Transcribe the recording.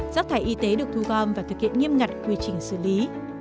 rác thải y tế được thu gom và thực hiện nghiêm ngặt quy trình xử lý